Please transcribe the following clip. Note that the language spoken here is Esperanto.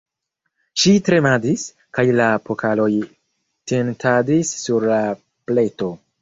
Ŝi tremadis, kaj la pokaloj tintadis sur la pleto.